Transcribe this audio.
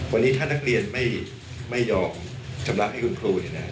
วันนี้ถ้านักเรียนไม่ยอมชำระให้คุณครูเนี่ยนะ